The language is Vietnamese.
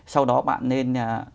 sau đó bạn nên